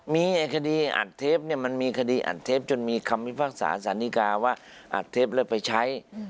มีคดีอัดเทปเนี่ยมันมีคดีอัดเทปจนมีคำพิพากษาสารดีกาว่าอัดเทปแล้วไปใช้